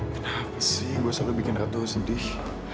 kenapa sih gue selalu bikin aku sedih